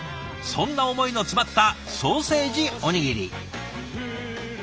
そんな思いの詰まったソーセージおにぎり。